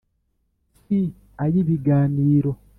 Si ay' ibiganiro,